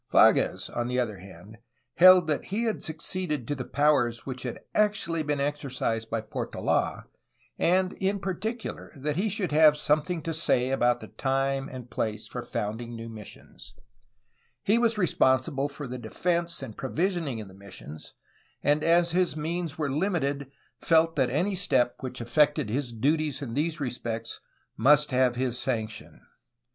Fages, on the other hand, held that he had succeeded to the powers which had actually been exercised by Portola and in particular that he should have something to say about the time and place for founding new missions; he was responsible for the defence and the provisioning of the missions, and as his means were limited felt that any step which affected his duties in these respects must have his sanction.